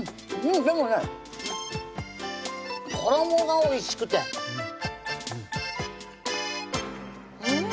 でもね衣がおいしくてうん！